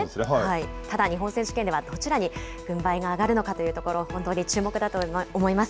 ただ、日本選手権ではどちらに軍配が上がるのかというところ、本当に注目だと思います。